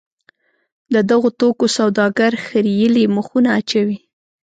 د دغو توکو سوداګر خریېلي مخونه اچوي.